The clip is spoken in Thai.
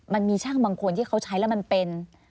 มันมีช่างบางคนที่เขาใช้แล้วมันเป็น